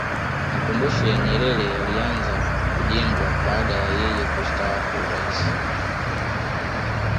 makumbusho ya nyerere yalianza kujengwa baada ya yeye kustaafu urais